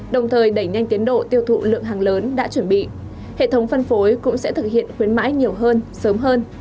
đồng thời đẩy nhanh tiến độ tiêu thụ lượng hàng lớn đã chuẩn bị hệ thống phân phối cũng sẽ thực hiện khuyến mãi nhiều hơn sớm hơn